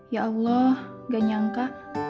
ya allah enggak nyangka